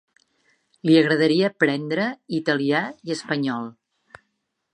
Li agradaria aprendre italià i espanyol.